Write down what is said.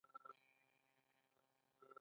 بودا سره نژدې یو مکتب ته ورغلم.